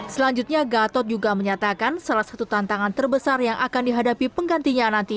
selanjutnya gatot juga menyatakan salah satu tantangan terbesar yang akan dihadapi panglima tni adalah penggantiannya sebagai panglima tni